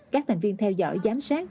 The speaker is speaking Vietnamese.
các thành viên theo dõi giám sát